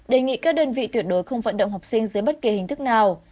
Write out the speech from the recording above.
đề nghị các đơn vị tuyệt đối không vận động học sinh dưới bất kỳ hình thức nào